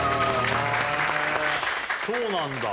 そうなんだ。